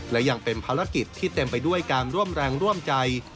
และยังเป็นภารกิจที่เต็มไปด้วยการร่วมแรงร่วมใจ